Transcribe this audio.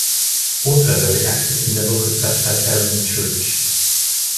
Both were very active in the local Presbyterian Church.